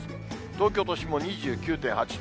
東京都心も２９．８度。